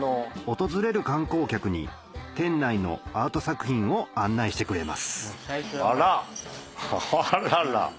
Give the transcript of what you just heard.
訪れる観光客に店内のアート作品を案内してくれますあらあらら。